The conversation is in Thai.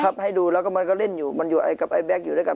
ให้ดูแล้วก็มันก็เล่นอยู่มันอยู่ไอ้กับไอ้แก๊กอยู่ด้วยกัน